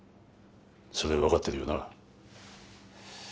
それ分かってるよな？